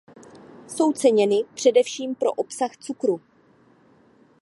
Jsou ceněny především pro obsah cukru.